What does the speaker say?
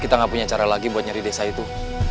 kita nggak punya cara lagi untuk mencari desa itu